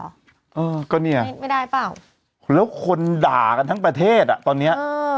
เออก็เนี่ยคิดไม่ได้เปล่าแล้วคนด่ากันทั้งประเทศอ่ะตอนเนี้ยเออ